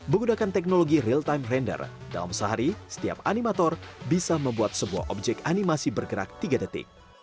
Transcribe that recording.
menggunakan teknologi real time randor dalam sehari setiap animator bisa membuat sebuah objek animasi bergerak tiga detik